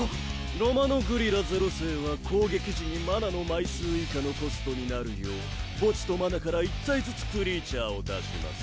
ロマノグリラ０世は攻撃時にマナの枚数以下のコストになるよう墓地とマナから１体ずつクリーチャーを出します。